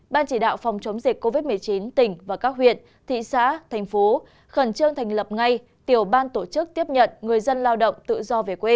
ban chỉ đạo phòng chống dịch covid một mươi chín tỉnh và các huyện thị xã thành phố khẩn trương thành lập ngay tiểu ban tổ chức tiếp nhận người dân lao động tự do về quê